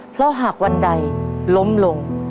เพราะหากวันใดล้มลง